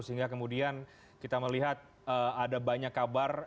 sehingga kemudian kita melihat ada banyak kabar